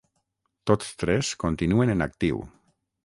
Tots tres continuen en actiu.